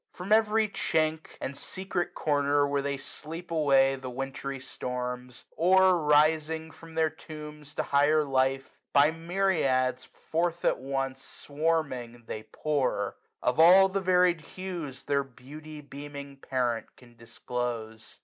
From every chink, SUMMER. 59 And secret corner, where they slept away The wintry storms ; or rising from their tombs, 245 To higher life ; by myriads, forth at once» Swarming they pour ; of all the vary'd hues Their beauty beaming parent can disclose.